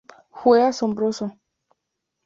Fue asombroso".